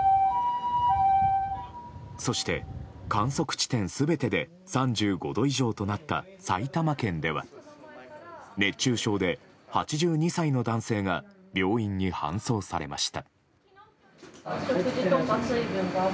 そして、観測地点全てで３５度以上となった埼玉県では、熱中症で８２歳の男性が病院に搬送されました。